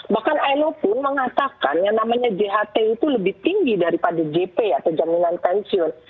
bahkan ilo pun mengatakan yang namanya jht itu lebih tinggi daripada jp atau jaminan pensiun